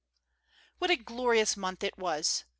W HAT a glorious month it was